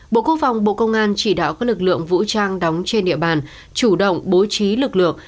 bộ quốc phòng bộ công an chỉ đạo các lực lượng vũ trang đóng trên địa bàn chủ động bố trí lực lượng